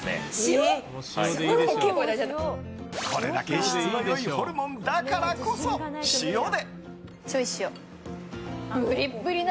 これだけ質のいいホルモンだからこそ、塩で。